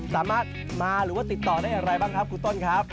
สามารถมาหรือว่าติดต่อได้อย่างไรบ้างครับครูต้นครับ